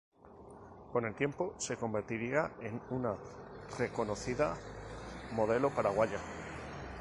Con el tiempo se convertiría en una reconocida modelo paraguaya.